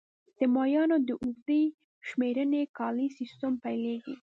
د مایانو د اوږدې شمېرنې کالیز سیستم پیلېږي